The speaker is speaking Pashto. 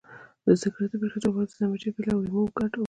د سګرټ د پرېښودو لپاره د زنجبیل او لیمو ګډول وکاروئ